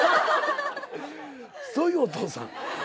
そういうお父さん。